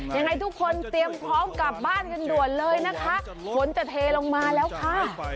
ยังไงทุกคนเตรียมพร้อมกลับบ้านกันด่วนเลยนะคะฝนจะเทลงมาแล้วค่ะ